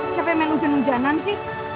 siapa yang main ujian ujianan sih